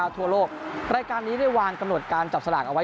ทั่วโลกรายการนี้ได้วางกำหนดการจับสลากเอาไว้